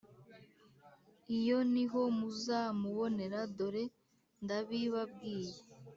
Iyo ni ho muzamubonera dore ndabibabwiye.